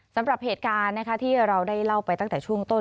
สำหรับเหตุการณ์ที่เราได้เล่าไปตั้งแต่ช่วงต้น